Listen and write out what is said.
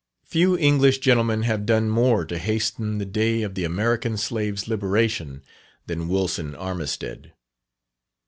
Few English gentlemen have done more to hasten the day of the American slave's liberation, than Wilson Armistead.